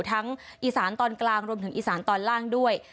อีสานตอนกลางรวมถึงอีสานตอนล่างด้วย